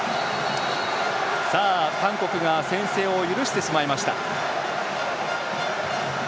韓国が先制を許してしまいました。